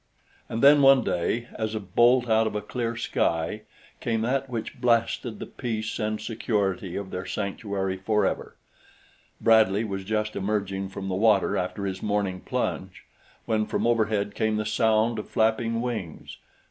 And then one day as a bolt out of a clear sky came that which blasted the peace and security of their sanctuary forever. Bradley was just emerging from the water after his morning plunge when from overhead came the sound of flapping wings.